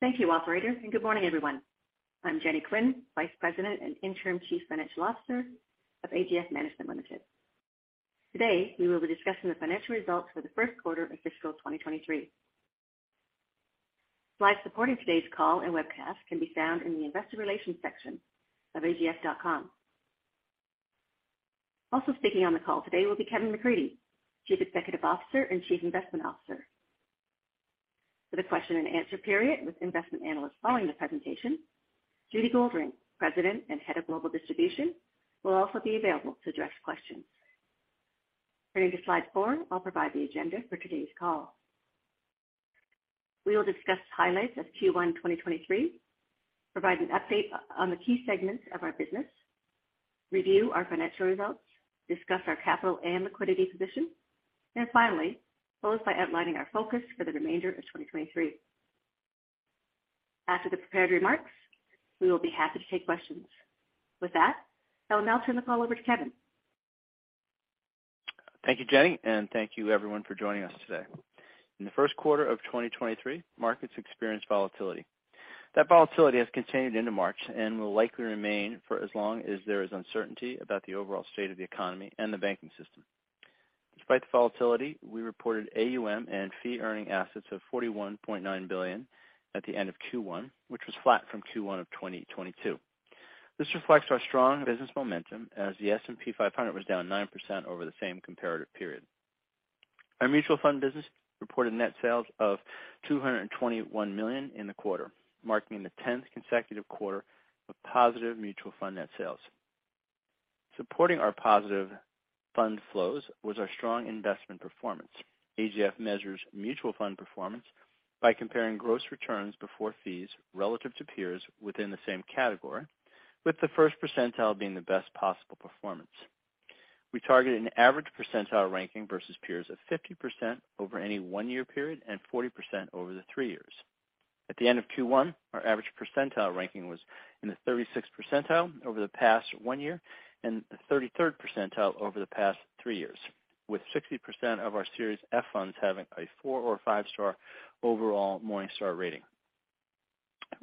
Thank you, operator. Good morning, everyone. I'm Jenny Quinn, Vice President and Interim Chief Financial Officer of AGF Management Limited. Today, we will be discussing the financial results for Q1 fiscal 2023.. Slides supporting today's call and webcast can be found in the Investor Relations section of AGF.com. Also speaking on the call today will be Kevin McCreadie, Chief Executive Officer and Chief Investment Officer. For the question and answer period with investment analysts following the presentation, Judy Goldring, President and Head of Global Distribution, will also be available to address questions. Turning to slide 4, I'll provide the agenda for today's call. We will discuss highlights of Q1 2023, provide an update on the key segments of our business, review our financial results, discuss our capital and liquidity position, and finally, close by outlining our focus for the remainder of 2023. After the prepared remarks, we will be happy to take questions. With that, I will now turn the call over to Kevin. Thank you, Jenny, and thank you everyone for joining us today. In the Q1 of 2023, markets experienced volatility. That volatility has continued into March and will likely remain for as long as there is uncertainty about the overall state of the economy and the banking system. Despite the volatility, we reported AUM and fee-earning assets of 41.9 billion at the end of Q1, which was flat from Q1 of 2022. This reflects our strong business momentum as the S&P 500 was down 9% over the same comparative period. Our mutual fund business reported net sales of 221 million in the quarter, marking the 10th consecutive quarter of positive mutual fund net sales. Supporting our positive fund flows was our strong investment performance. AGF measures mutual fund performance by comparing gross returns before fees relative to peers within the same category, with the first percentile being the best possible performance. We target an average percentile ranking versus peers of 50% over any 1-year period and 40% over the 3 years. At the end of Q1, our average percentile ranking was in the 36th percentile over the past 1 year and the 33rd percentile over the past 3 years. 60% of our Series F funds have a 4- or 5-star overall Morningstar rating.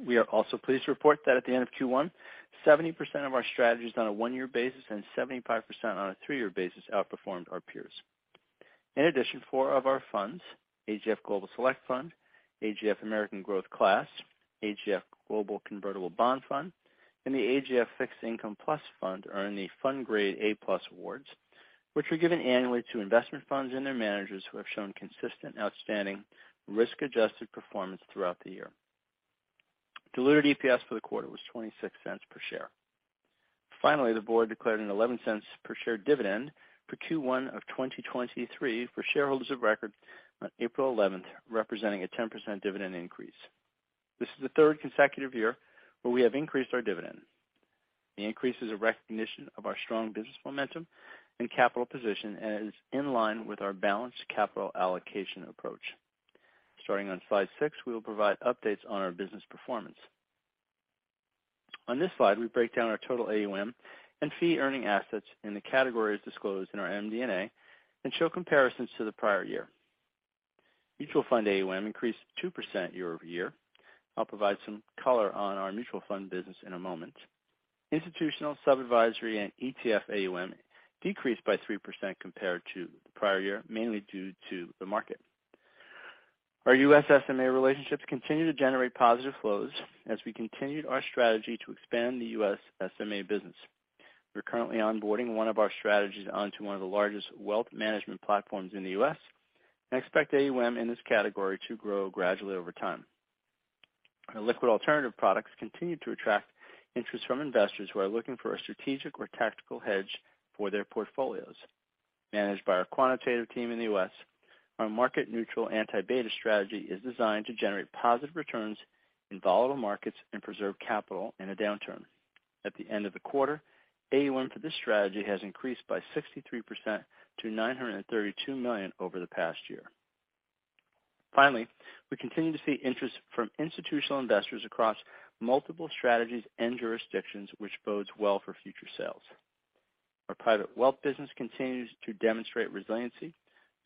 We are also pleased to report that at the end of Q1, 70% of our strategies on a 1-year basis and 75% on a 3-year basis outperformed our peers. In addition, four of our funds, AGF Global Select Fund, AGF American Growth Class, AGF Global Convertible Bond Fund, and the AGF Fixed Income Plus Fund earned the FundGrade A+ Awards, which are given annually to investment funds and their managers who have shown consistent, outstanding, risk-adjusted performance throughout the year. Diluted EPS for the quarter was 0.26 per share. Finally, the board declared a 0.11 per share dividend for Q1 of 2023 for shareholders of record on April eleventh, representing a 10% increase in the dividend. This is the third consecutive year where we have increased our dividend. The increase is a recognition of our strong business momentum and capital position and is in line with our balanced capital allocation approach. Starting on slide six, we will provide updates on our business performance. On this slide, we break down our total AUM and fee-earning assets in the categories disclosed in our MD&A and show comparisons to the prior year. Mutual fund AUM increased 2% year-over-year. I'll provide some color on our mutual fund business in a moment. Institutional sub-advisory and ETF AUM decreased by 3% compared to the prior year, mainly due to the market. Our US SMA relationships continue to generate positive flows as we continued our strategy to expand the US SMA business. We're currently onboarding one of our strategies onto one of the largest wealth management platforms in the US and expect AUM in this category to grow gradually over time. Our liquid alternative products continue to attract interest from investors who are looking for a strategic or tactical hedge for their portfolios. Managed by our quantitative team in the U.S., our market neutral anti-beta strategy is designed to generate positive returns in volatile markets and preserve capital in a downturn. At the end of the quarter, AUM for this strategy has increased by 63% to 932 million over the past year. We continue to see interest from institutional investors across multiple strategies and jurisdictions, which bodes well for future sales. Our private wealth business continues to demonstrate resiliency,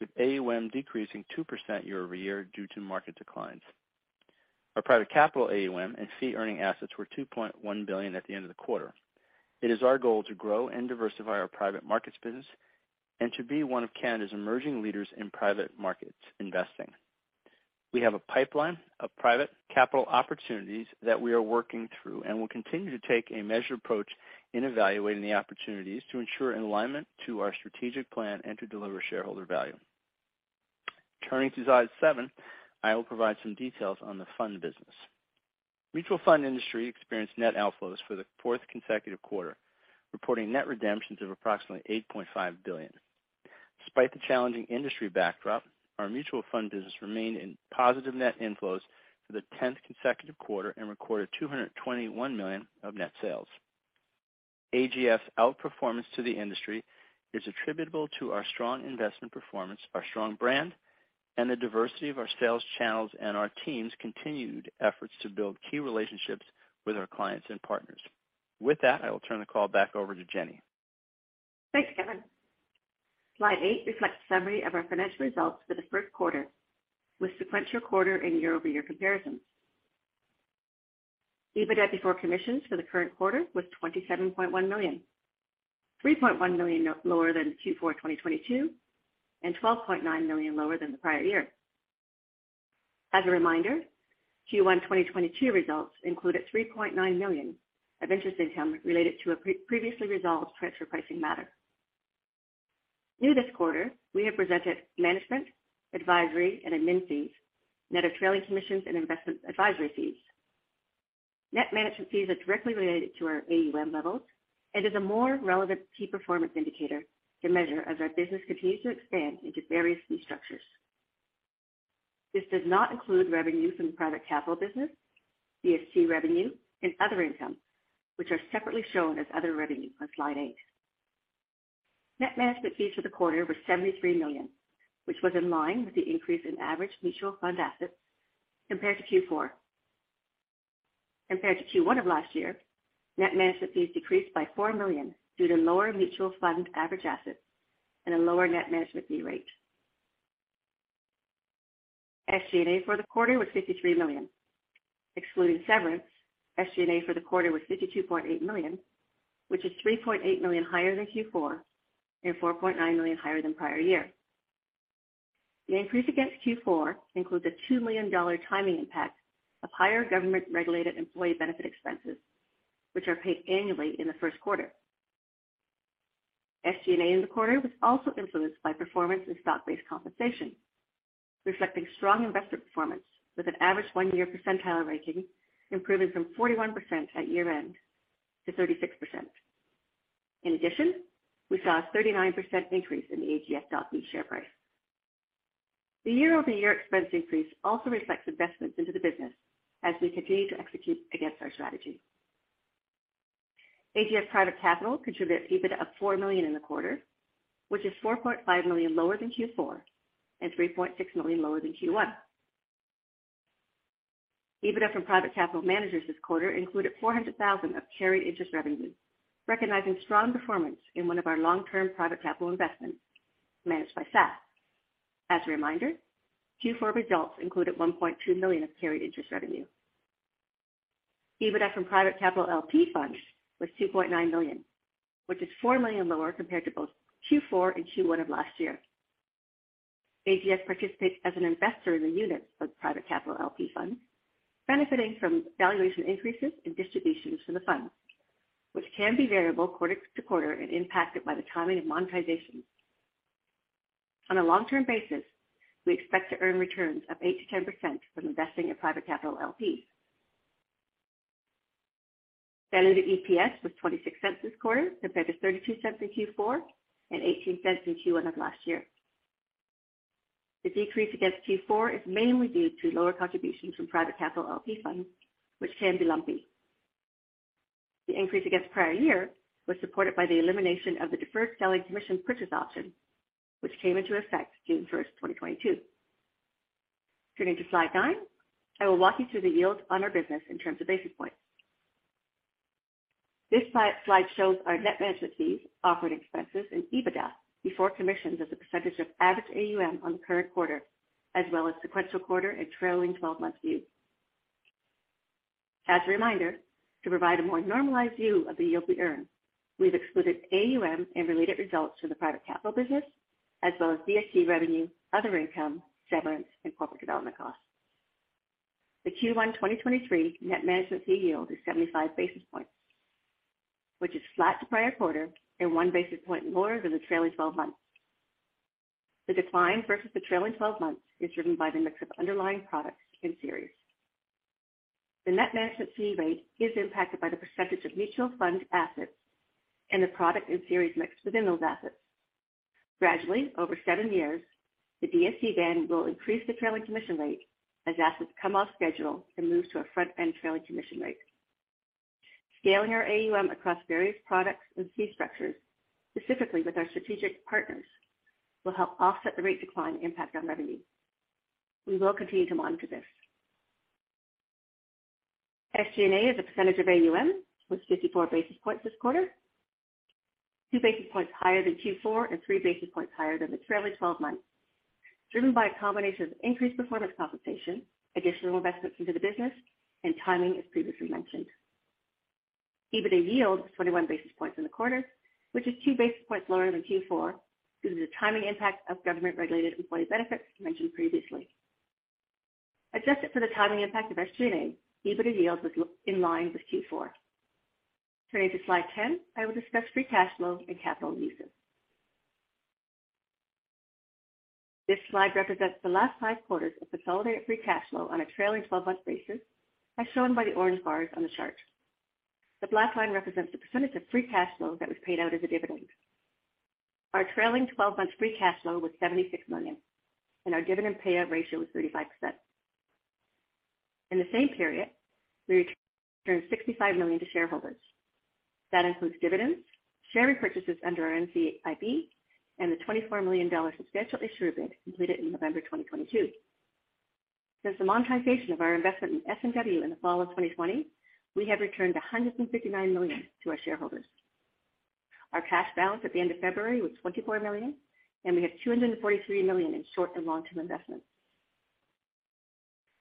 with AUM decreasing 2% year-over-year due to market declines. Our Private Capital AUM and fee-earning assets were 2.1 billion at the end of the quarter. It is our goal to grow and diversify our private markets business and to be one of Canada's emerging leaders in private markets investing. We have a pipeline of private capital opportunities that we are working through, and we'll continue to take a measured approach to evaluating the opportunities to ensure alignment to our strategic plan and to deliver shareholder value. Turning to slide 7, I will provide some details on the fund business. The mutual fund industry experienced net outflows for the fourth consecutive quarterreporting net redemptions of approximately $8.5 billion. Despite the challenging industry backdrop, our mutual fund business remained in positive net inflows for the tenth consecutive quarter and recorded $221 million of net sales. AGF's outperformance to the industry is attributable to our strong investment performance, our strong brand, and the diversity of our sales channels and our team's continued efforts to build key relationships with our clients and partners. With that, I will turn the call back over to Jenny. Thanks, Kevin. Slide 8 reflects a summary of our financial results for Q1 with sequential quarter and year-over-year comparisons. EBITDA before commissions for the current quarter was $27.1 million, $3.1 million lower than Q4 2022, and $12.9 million lower than the prior year. As a reminder, Q1 2022 results included $3.9 million of interest income related to a pre-previously resolved transfer pricing matter. New this quarter, we have presented management, advisory, and admin fees net of trailing commissions and investment advisory fees. Net management fees are directly related to our AUM levels and are a more relevant key performance indicator to measure as our business continues to expand into various fee structures. This does not include revenues from the private capital business, DSC revenue, and other income, which are separately shown as other revenue on slide 8. Net management fees for the quarter were 73 million, which was in line with the increase in average mutual fund assets compared to Q4. Compared to Q1 of last year, net management fees decreased by 4 million due to lower mutual fund average assets and a lower net management fee rate. SG&A for the quarter was 53 million. Excluding severance, SG&A for the quarter was 52.8 million, which is 3.8 million higher than Q4 and 4.9 million higher than prior year. The increase against Q4 includes a $2 million timing impact of higher government-regulated employee benefit expenses, which are paid annually in Q1. SG&A in the quarter was also influenced by performance and stock-based compensation, reflecting strong investor performance with an average one-year percentile ranking improving from 41% at year-end to 36%. We saw a 39% increase in the AGF.B share price. The year-over-year expense increase also reflects investments into the business as we continue to execute against our strategy. AGF Private Capital contributed EBITDA of 4 million in the quarter, which is 4.5 million lower than Q4 and 3.6 million lower than Q1. EBITDA from private capital managers this quarter included 400,000 of carried interest revenue, recognizing strong performance in one of our long-term private capital investments managed by SAF. As a reminder, Q4 results included 1.2 million of carried interest revenue. EBITDA from Private Capital LP Funds was 2.9 million, which is 4 million lower compared to both Q4 and Q1 of last year. AGF participates as an investor in the units of Private Capital LP Funds, benefiting from valuation increases and distributions for the funds, which can be variable quarter to quarter and impacted by the timing of monetizations. On a long-term basis, we expect to earn returns of 8% to 10% from investing in Private Capital LPs. Diluted EPS was 0.26 this quarter, compared to 0.32 in Q4 and 0.18 in Q1 of last year. The decrease against Q4 is mainly due to lower contributions from Private Capital LP Funds, which can be lumpy. The increase against prior year was supported by the elimination of the deferred selling commission purchase option, which came into effect June first, 2022. Turning to slide 9, I will walk you through the yields on our business in terms of basis points. This slide shows our net management fees, operating expenses, and EBITDA before commissions as a % of average AUM on the current quarter, as well as sequential quarter and trailing 12-month view. As a reminder, to provide a more normalized view of the yield we earn, we've excluded AUM and related results from the private capital business as well as DSC revenue, other income, severance, and corporate development costs. The Q1 2023 net management fee yield is 75 basis points, which is flat to prior quarter and 1 basis point lower than the trailing 12 months. The decline versus the trailing 12 months is driven by the mix of underlying products and series. The net management fee rate is impacted by the % of mutual fund assets and the product and series mixed within those assets. Gradually, over seven years, the DSC will increase the trailing commission rate as assets come off schedule and move to a front-end trailing commission rate. Scaling our AUM across various products and fee structures, specifically with our strategic partners, will help offset the rate decline impact on revenue. We will continue to monitor this. SG&A as a percentage of AUM was 54 basis points this quarter, 2 basis points higher than Q4 and 3 basis points higher than the trailing 12 months, driven by a combination of increased performance compensation, additional investments into the business, and timing, as previously mentioned. EBITDA yield was 21 basis points in the quarter, which is 2 basis points lower than Q4 due to the timing impact of government-regulated employee benefits mentioned previously. Adjusted for the timing impact of our SG&A, EBITDA yield was in line with Q4. Turning to slide 10, I will discuss free cash flow and capital uses. This slide represents the last five quarters of consolidated free cash flow on a trailing 12-month basis, as shown by the orange bars on the chart. The black line represents the percentage of free cash flow that was paid out as a dividend. Our trailing 12-month free cash flow was 76 million, and our dividend payout ratio was 35%. In the same period, we returned 65 million to shareholders. That includes dividends, share repurchases under our NCIB, and the 24 million dollar substantial issuer bid completed in November 2022. Since the monetization of our investment in S&WHL in the fall of 2020, we have returned 159 million to our shareholders. Our cash balance at the end of February was 24 million. We had $243 million in short and long-term investments.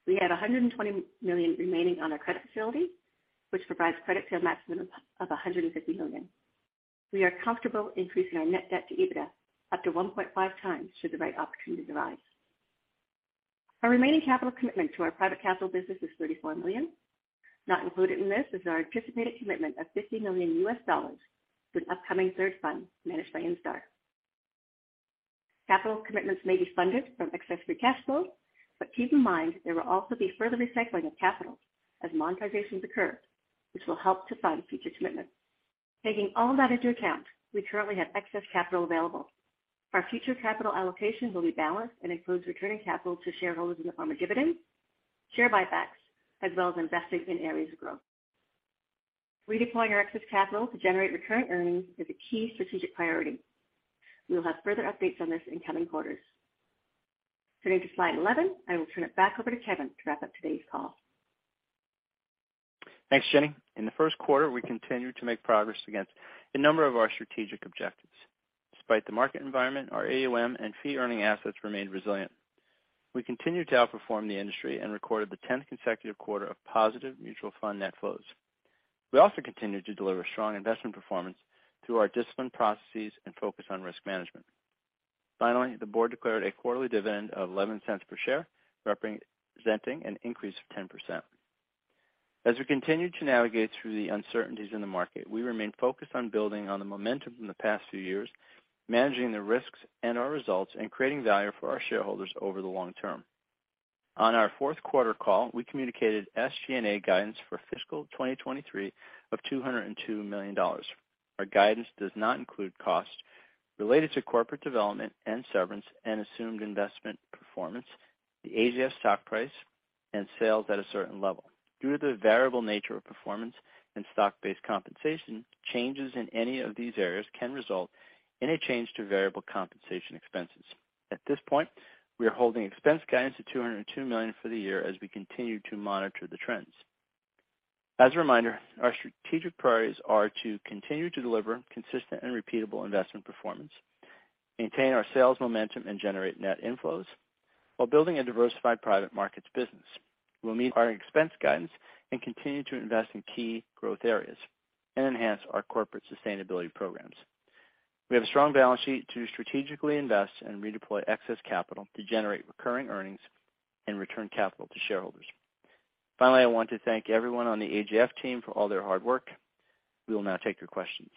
We had $120 million remaining on our credit facility, which provides credit to a maximum of $150 million. We are comfortable increasing our net debt to EBITDA up to 1.5 times should the right opportunity arise. Our remaining capital commitment to our Private Capital business is $34 million. Not included in this is our anticipated commitment of $50 million USD to an upcoming third fund managed by Instar. Capital commitments may be funded from excess free cash flow, keep in mind there will also be further recycling of capital as monetizations occur, which will help to fund future commitments. Taking all that into account, we currently have excess capital available. Our future capital allocation will be balanced and includes returning capital to shareholders in the form of dividends, share buybacks, as well as investing in areas of growth. Redeploying our excess capital to generate recurring earnings is a key strategic priority. We will have further updates on this in coming quarters. Turning to slide 11, I will turn it back over to Kevin to wrap up today's call. Thanks, Jenny. In the Q1, we continued to make progress against a number of our strategic objectives. Despite the market environment, our AUM and fee-earning assets remained resilient. We continued to outperform the industry and recorded the 10th consecutive quarter of positive mutual fund net flows. We also continued to deliver strong investment performance through our disciplined processes and focus on risk management. Finally, the board declared a quarterly dividend of 0.11 per share, representing an increase of 10%. As we continue to navigate through the uncertainties in the market, we remain focused on building on the momentum from the past few years, managing the risks and our results, and creating value for our shareholders over the long term. On our Q4 call, we communicated SG&A guidance for fiscal 2023 of 202 million dollars. Our guidance does not include costs related to corporate development and severance and assumed investment performance, the AGF stock price, and sales at a certain level. Due to the variable nature of performance and stock-based compensation, changes in any of these areas can result in a change to variable compensation expenses. At this point, we are holding expense guidance to 202 million for the year as we continue to monitor the trends. As a reminder, our strategic priorities are to continue to deliver consistent and repeatable investment performance, maintain our sales momentum, and generate net inflows while building a diversified private markets business. We'll meet our expense guidance and continue to invest in key growth areas and enhance our corporate sustainability programs. We have a strong balance sheet to strategically invest and redeploy excess capital to generate recurring earnings and return capital to shareholders. Finally, I want to thank everyone on the AGF team for all their hard work. We will now take your questions.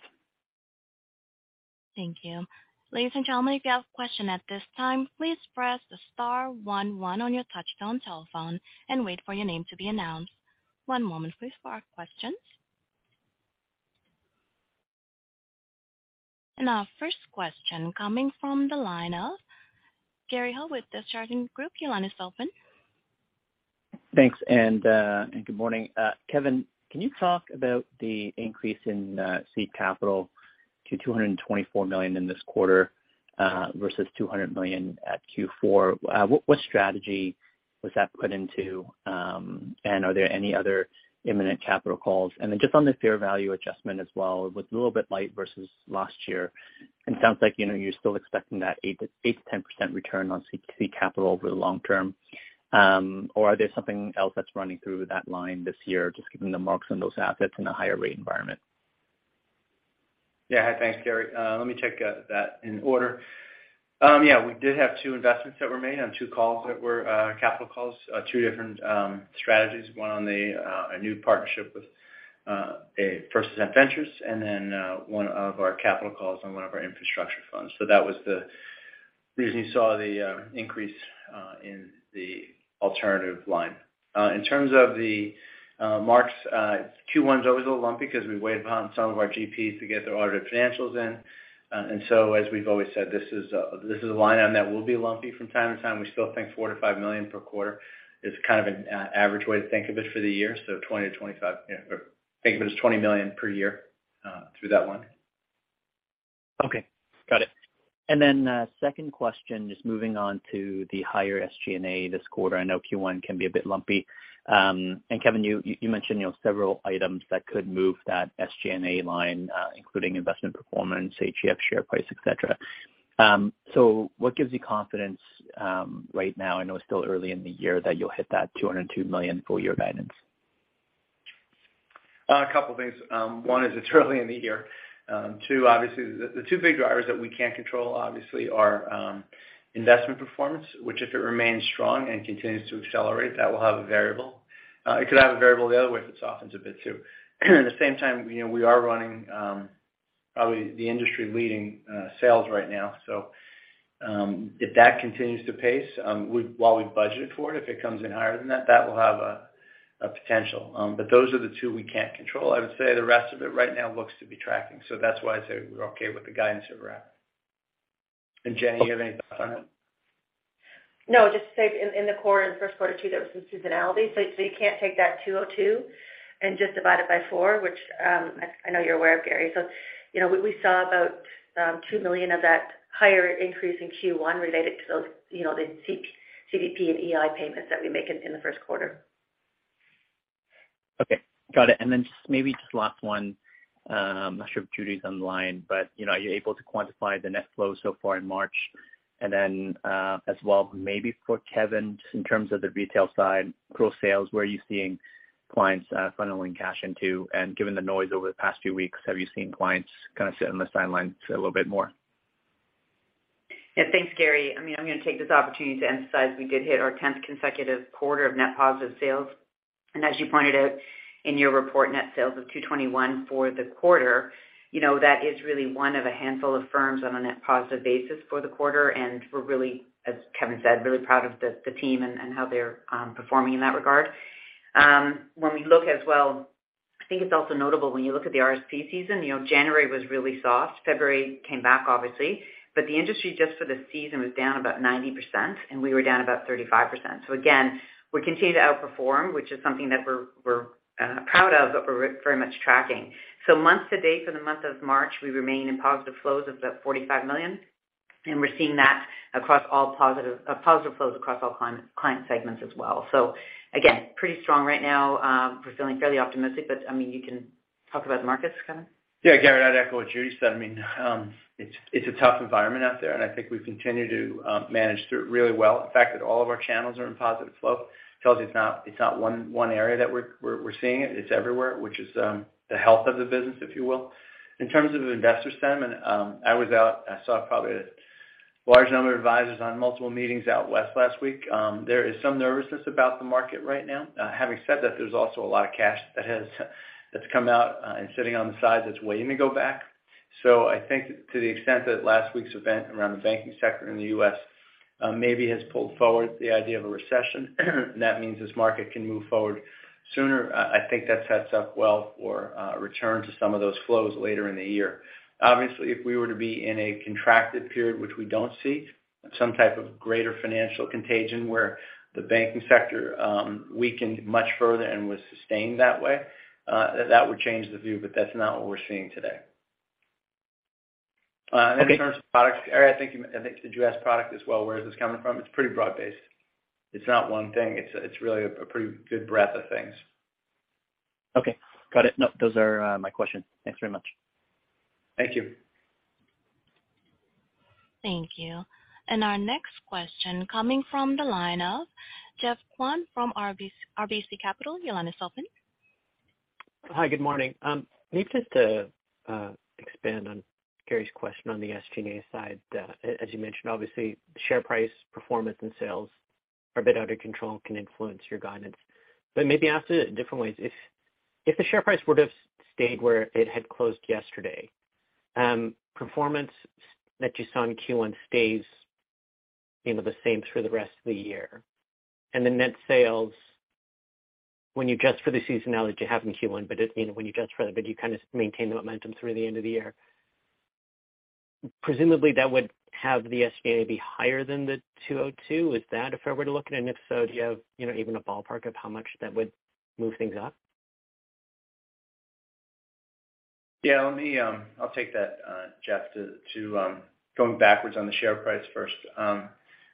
Thanks, good morning. Kevin, can you talk about the increase in seed capital to $224 million in this quarter versus $200 million at Q4? What strategy was that put into? Are there any other imminent capital calls? Then just on the fair value adjustment as well, it was a little bit light versus last year. It sounds like, you know, you're still expecting that 8% to 10% return on seed capital over the long term. Are there something else that's running through that line this year, just given the marks on those assets in a higher rate environment? Yeah. Thanks, Gary. Let me take that in order. Yeah, we did have 2 investments that were made on 2 calls that were capital calls, 2 different strategies. One on the a new partnership with a First Ascent Ventures, and then one of our capital calls on one of our infrastructure funds. That was the reason you saw the increase in the alternative line. In terms of the marks, Q1's always a little lumpy because we wait upon some of our GPs to get their audited financials in. As we've always said, this is a line item that will be lumpy from time to time. We still think $4 million-$5 million per quarter is kind of an average way to think of it for the year. 20 million-25 million, you know, or think of it as 20 million per year, through that one. Okay. Got it. Second question, just moving on to the higher SG&A this quarter. I know Q1 can be a bit lumpy. Kevin, you mentioned, you know, several items that could move that SG&A line, including investment performance, AGF share price, et cetera. What gives you confidence, right now, I know it's still early in the year, that you'll hit that 202 million full year guidance? A couple things. One is it's early in the year. Two, obviously, the two big drivers that we can't control obviously are investment performance, which if it remains strong and continues to accelerate, that will have a variable. It could have a variable the other way if it softens a bit too. At the same time, you know, we are running. Probably the industry-leading sales right now. If that continues to pace, while we budgeted for it, if it comes in higher than that will have a potential. Those are the two we can't control. I would say the rest of it right now looks to be tracking. That's why I say we're okay with the guidance that we're at. Jenny, you have anything to add? No, just to say in the quarter, in the Q1 too, there was some seasonality. You can't take that 202 and just divide it by 4, which I know you're aware of, Gary. You know, we saw about 2 million of that higher increase in Q1 related to those, you know, the CPP and EI payments that we make in the Q1. Okay. Got it. Just maybe just last one, I'm not sure if Judy's on the line, but, you know, are you able to quantify the net flow so far in March? As well, maybe for Kevin, just in terms of the retail side, pro sales, where are you seeing clients, funneling cash into? Given the noise over the past few weeks, have you seen clients kind of sit on the sidelines a little bit more? Yeah. Thanks, Gary. I mean, I'm gonna take this opportunity to emphasize we did hit our 10th consecutive quarter of net positive sales. As you pointed out in your report, net sales of 221 for the quarter, you know, that is really one of a handful of firms on a net positive basis for the quarter. We're really, as Kevin said, really proud of the team and how they're performing in that regard. When we look as well, I think it's also notable when you look at the RSP season, you know, January was really soft. February came back, obviously. The industry just for the season was down about 90%, and we were down about 35%. Again, we continue to outperform, which is something that we're proud of, but we're very much tracking. Month to date for the month of March, we remain in positive flows of about 45 million, and we're seeing that across all positive flows across all client segments as well. Again, pretty strong right now. We're feeling fairly optimistic. I mean, you can talk about the markets, Kevin. Yeah. Gary, I'd echo what Judy said. I mean, it's a tough environment out there. I think we've continued to manage through it really well. The fact that all of our channels are in positive flow tells you it's not one area that we're seeing it. It's everywhere, which is the health of the business, if you will. In terms of investor sentiment, I was out. I saw probably a large number of advisors on multiple meetings out west last week. There is some nervousness about the market right now. Having said that, there's also a lot of cash that's come out, sitting on the side that's waiting to go back. I think to the extent that last week's event around the banking sector in the U.S., maybe has pulled forward the idea of a recession, and that means this market can move forward sooner, I think that sets up well for a return to some of those flows later in the year. Obviously, if we were to be in a contracted period, which we don't see, some type of greater financial contagion where the banking sector, weakened much further and was sustained that way, that would change the view, but that's not what we're seeing today. Okay. In terms of products, Gary, I think did you ask product as well, where is this coming from? It's pretty broad-based. It's not one thing. It's really a pretty good breadth of things. Okay. Got it. No, those are my question. Thanks very much. Thank you. Hi. Good morning. Maybe just to expand on Gary's question on the SG&A side. As you mentioned, obviously, share price, performance, and sales are a bit out of control and can influence your guidance. Maybe ask it a different way. If the share price would have stayed where it had closed yesterday, performance that you saw in Q1 stays, you know, the same through the rest of the year. The net sales when you adjust for the seasonality you have in Q1, but it, you know, when you adjust for that, but you kind of maintain the momentum through the end of the year, presumably that would have the SG&A be higher than the 202. Is that fair way to look at it? If so, do you have, you know, even a ballpark of how much that would move things up? Yeah. Let me, I'll take that, Jeff, to going backwards on the share price first.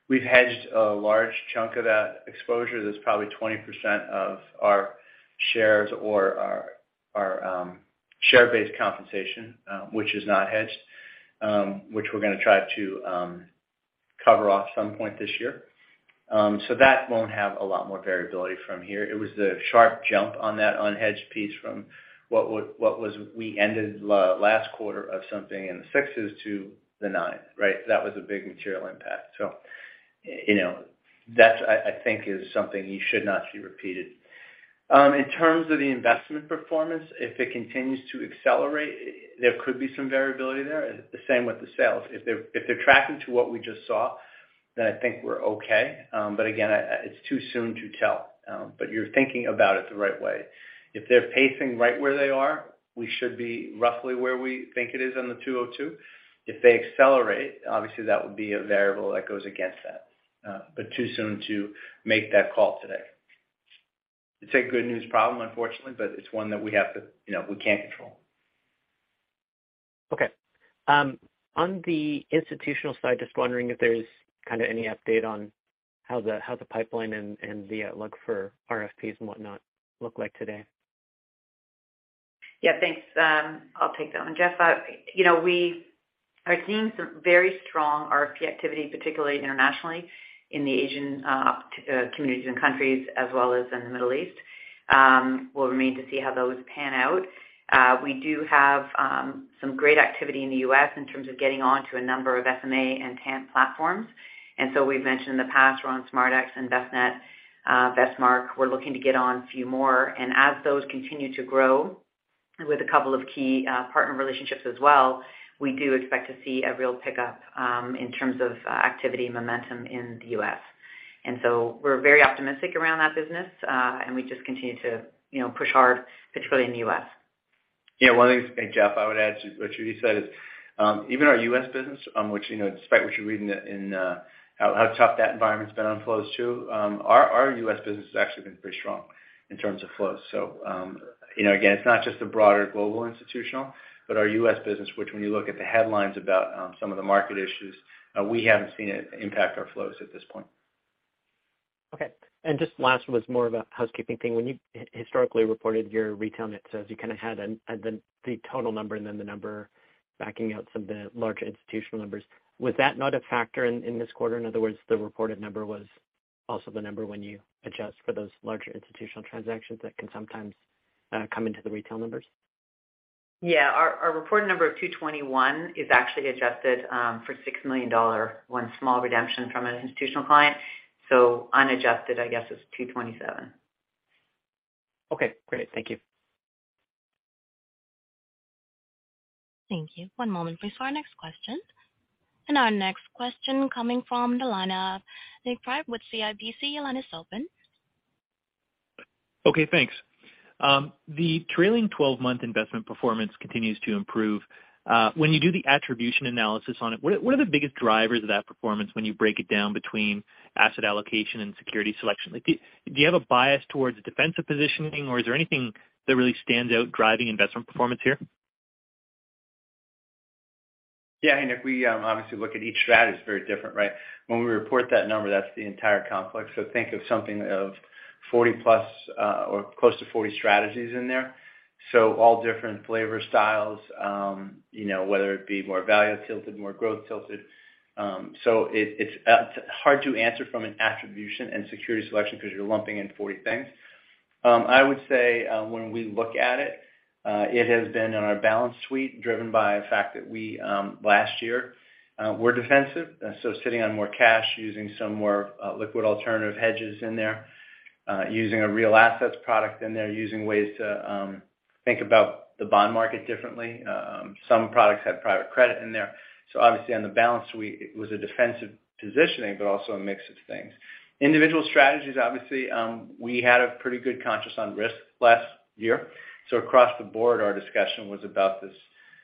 We've hedged a large chunk of that exposure. There's probably 20% of our shares or our share-based compensation, which is not hedged, which we're gonna try to cover off some point this year. That won't have a lot more variability from here. It was the sharp jump on that unhedged piece from what we ended last quarter of something in the sixes to the nine, right? That was a big material impact. You know, that's, I think, is something you should not see repeated. In terms of the investment performance, if it continues to accelerate, there could be some variability there. The same with the sales. If they're tracking to what we just saw, then I think we're okay. Again, it's too soon to tell. You're thinking about it the right way. If they're pacing right where they are, we should be roughly where we think it is on the 202. If they accelerate, obviously that would be a variable that goes against that. Too soon to make that call today. It's a good news problem, unfortunately, but it's one that we have to, you know, we can't control. Okay. on the institutional side, just wondering if there's kind of any update on how the pipeline and the outlook for RFPs and whatnot look like today? Thanks. I'll take that one, Jeff. You know, we are seeing some very strong RFP activity, particularly internationally in the Asian communities and countries as well as in the Middle East. We'll remain to see how those pan out. We do have some great activity in the U.S. in terms of getting onto a number of SMA and TAMP platforms. We've mentioned in the past, we're on SMArtX and Envestnet, Vestmark. We're looking to get on a few more. As those continue to grow. With a couple of key partner relationships as well, we do expect to see a real pickup in terms of activity and momentum in the U.S. We're very optimistic around that business, and we just continue to, you know, push hard, particularly in the U.S. Yeah. One of the things, Jeff, I would add to what Judy said is, even our U.S. business, which, you know, despite what you read in the, in, how tough that environment's been on flows too, our U.S. business has actually been pretty strong in terms of flows. You know, again, it's not just the broader global institutional, but our U.S. business which when you look at the headlines about, some of the market issues, we haven't seen it impact our flows at this point. Okay. Just last was more of a housekeeping thing. When you historically reported your retail net, so as you kind of had The total number and then the number backing out some of the larger institutional numbers, was that not a factor in this quarter? In other words, the reported number was also the number when you adjust for those larger institutional transactions that can sometimes come into the retail numbers? Yeah. Our reported number of 221 is actually adjusted for 6 million dollar, one small redemption from an institutional client. Unadjusted I guess is 227. Okay. Great. Thank you. Okay. Thanks. The trailing 12-month investment performance continues to improve. When you do the attribution analysis on it, what are the biggest drivers of that performance when you break it down between asset allocation and security selection? Like, do you have a bias towards defensive positioning or is there anything that really stands out driving investment performance here? Yeah. If we obviously look at each strat, it's very different, right? When we report that number, that's the entire complex. Think of something of 40 plus, or close to 40 strategies in there. All different flavor styles, you know, whether it be more value tilted, more growth tilted. It's hard to answer from an attribution and security selection because you're lumping in 40 things. I would say, when we look at it has been on our balance suite driven by the fact that we last year were defensive. Sitting on more cash using some more liquid alternative hedges in there, using a real assets product in there, using ways to think about the bond market differently. Some products have private credit in there. Obviously on the balance suite it was a defensive positioning but also a mix of things. Individual strategies, obviously, we had a pretty good conscious on risk last year. Across the board, our discussion was about this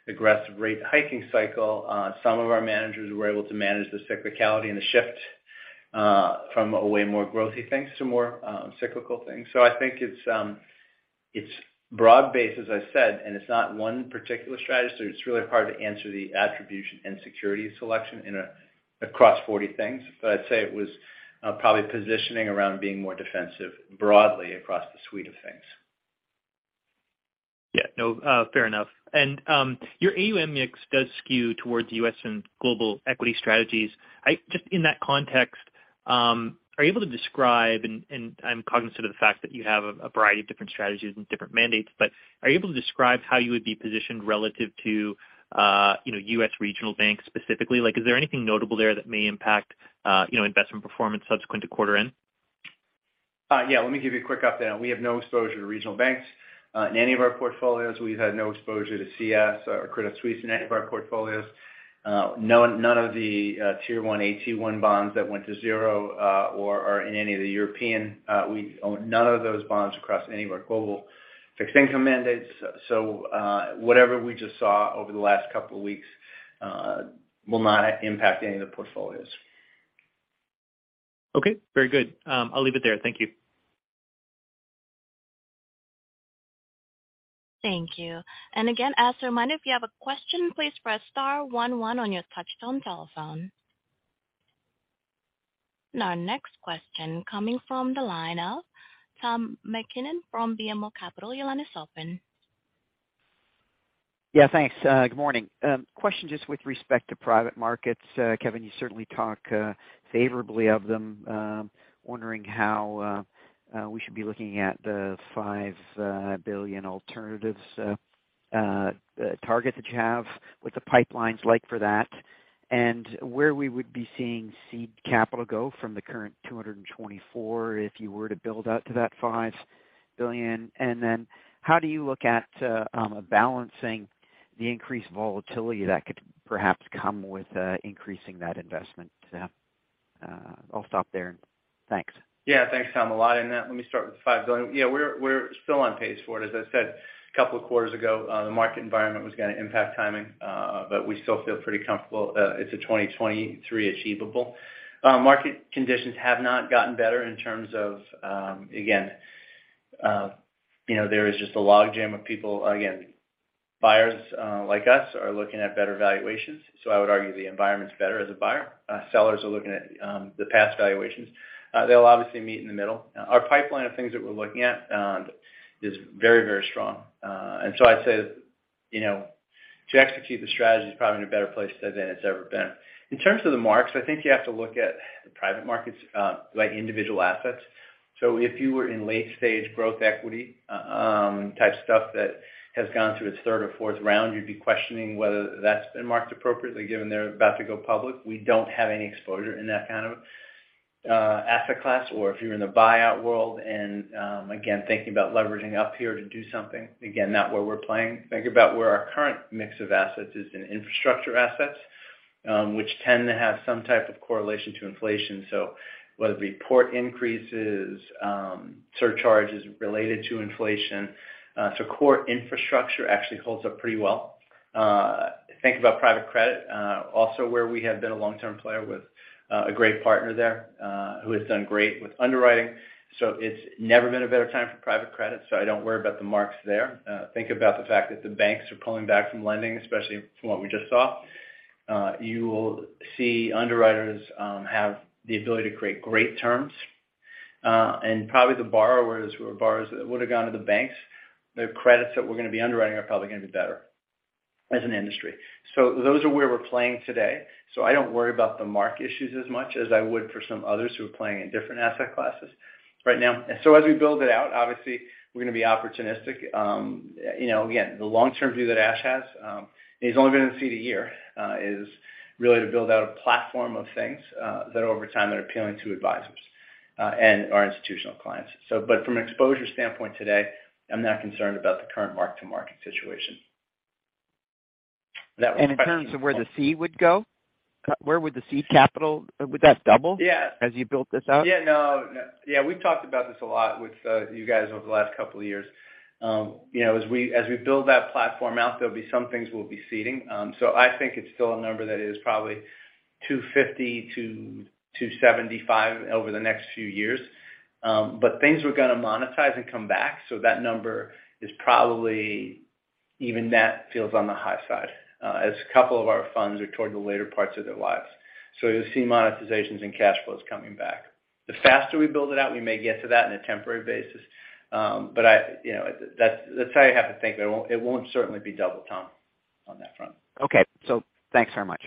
aggressive rate hiking cycle. Some of our managers were able to manage the cyclicality and the shift from a way more growthy things to more cyclical things. I think it's broad-based, as I said, and it's not one particular strategy. It's really hard to answer the attribution and security selection across 40 things. I'd say it was probably positioning around being more defensive broadly across the suite of things. Yeah. No, fair enough. Your AUM mix does skew towards U.S. and global equity strategies. Just in that context, are you able to describe and, I'm cognizant of the fact that you have a variety of different strategies and different mandates, but are you able to describe how you would be positioned relative to, you know, U.S. regional banks specifically? Like, is there anything notable there that may impact, you know, investment performance subsequent to quarter end? Yeah. Let me give you a quick update. We have no exposure to regional banks in any of our portfolios. We've had no exposure to CS or Credit Suisse in any of our portfolios. None of the tier one AT1 bonds that went to zero or are in any of the European, we own none of those bonds across any of our global fixed income mandates. Whatever we just saw over the last couple of weeks, will not impact any of the portfolios. Okay. Very good. I'll leave it there. Thank you. Yeah, thanks. Good morning. Question just with respect to private markets. Kevin, you certainly talk favorably of them. Wondering how we should be looking at the 5 billion alternatives target that you have, what the pipeline's like for that, and where we would be seeing seed capital go from the current 224 if you were to build out to that 5 billion. How do you look at balancing the increased volatility that could perhaps come with increasing that investment? I'll stop there. Thanks. Yeah. Thanks, Tom. A lot in that. Let me start with the 5 billion. Yeah, we're still on pace for it. As I said a couple of quarters ago, the market environment was gonna impact timing, but we still feel pretty comfortable that it's a 2023 achievable. Market conditions have not gotten better in terms of, again, you know, there is just a log jam of people. Again, buyers, like us are looking at better valuations. I would argue the environment's better as a buyer. Sellers are looking at the past valuations. They'll obviously meet in the middle. Our pipeline of things that we're looking at is very, very strong. I'd say, you know, to execute the strategy is probably in a better place than it's ever been. In terms of the marks, I think you have to look at the private markets, like individual assets. If you were in late stage growth equity, type stuff that has gone through its third or fourth round, you'd be questioning whether that's been marked appropriately given they're about to go public. We don't have any exposure in that kind of asset class or if you're in the buyout world and, again, thinking about leveraging up here to do something, again, not where we're playing. Think about where our current mix of assets is in infrastructure assets, which tend to have some type of correlation to inflation. Whether it be port increases, surcharges related to inflation. Core infrastructure actually holds up pretty well. Think about private credit, also where we have been a long-term player with a great partner there, who has done great with underwriting. It's never been a better time for private credit, so I don't worry about the marks there. Think about the fact that the banks are pulling back from lending, especially from what we just saw. You will see underwriters have the ability to create great terms. Probably the borrowers who are borrowers that would have gone to the banks, the credits that we're gonna be underwriting are probably gonna be better as an industry. Those are where we're playing today. I don't worry about the mark issues as much as I would for some others who are playing in different asset classes right now. As we build it out, obviously, we're gonna be opportunistic. You know, again, the long-term view that Ash has, and he's only been in the seat a year, is really to build out a platform of things that over time are appealing to advisors and our institutional clients. But from an exposure standpoint today, I'm not concerned about the current mark-to-market situation. In terms of where the C would go, where would the C capital? Would that double? Yeah. as you built this out? Yeah. No. Yeah, we've talked about this a lot with you guys over the last couple of years. You know, as we build that platform out, there'll be some things we'll be ceding. I think it's still a number that is probably 250 million-275 million over the next few years. Things we're gonna monetize and come back, so that number is probably even that feels on the high side, as a couple of our funds are toward the later parts of their lives. You'll see monetizations and cash flows coming back. The faster we build it out, we may get to that in a temporary basis. I, you know, that's how you have to think. It won't certainly be double, Tom, on that front. Okay. Thanks very much.